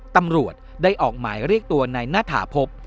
ตำรวจได้ออกหมายเรียกตัวนายหน้าถาพบ